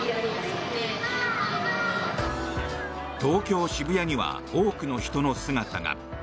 東京・渋谷には多くの人の姿が。